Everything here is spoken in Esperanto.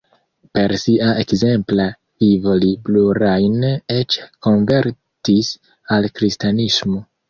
Per sia ekzempla vivo li plurajn eĉ konvertis al kristanismo.